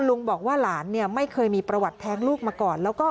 ลุงบอกว่าหลานเนี่ยไม่เคยมีประวัติแท้งลูกมาก่อน